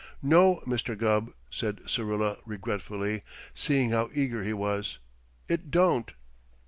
"No, Mr. Gubb," said Syrilla regretfully, seeing how eager he was. "It don't."